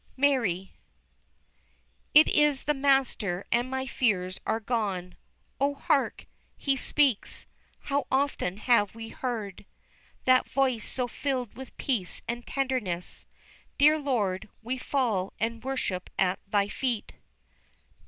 MARY. It is the Master and my fears are gone O, hark! He speaks. How often have we heard That voice so filled with peace and tenderness? Dear Lord, we fall and worship at Thy feet.